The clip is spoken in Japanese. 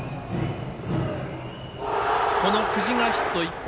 この久慈がヒット１本。